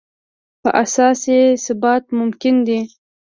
په اساس یې ثبات ممکن دی.